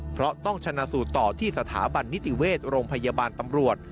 เพราะต้องชนะสูตรต่อที่สถาบันนิติเวชโรงพยาบาลตำรวจ